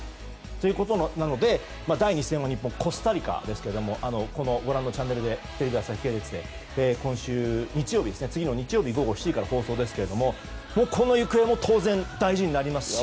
ということなので第２戦は日本、コスタリカですがご覧のチャンネルテレビ朝日系列で今週日曜日午後７時から放送ですけどこの行方も当然大事になりますし。